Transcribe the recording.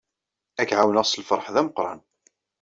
Ad k-ɛawneɣ s lfeṛḥ d ameqran.